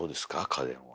家電は。